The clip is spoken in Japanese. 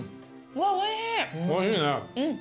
おいしいね。